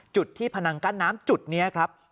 จุดที่พนังกั้นน้ำจุดนี้ครับ